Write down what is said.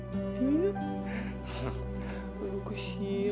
aku sedang tidur di sini